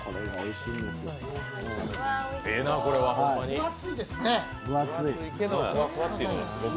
分厚いですね。